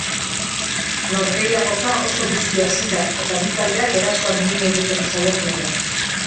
Norgehiagoka oso bizi hasi da eta bi taldeak erasoan min egiten saiatu dira.